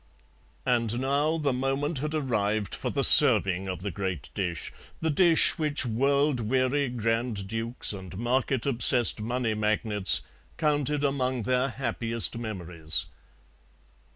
"And now the moment had arrived for the serving of the great dish, the dish which world weary Grand Dukes and market obsessed money magnates counted among their happiest memories.